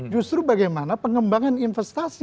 justru bagaimana pengembangan investasi